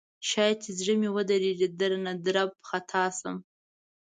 شاید چې زړه مې ودریږي درنه درب خطا شم